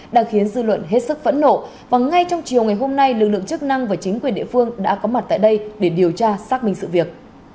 đang khiến dư luận hết sức phẫn nộ và ngay trong chiều ngày hôm nay lực lượng chức năng và chính quyền địa phương đã có mặt tại đây để điều tra xác minh sự việc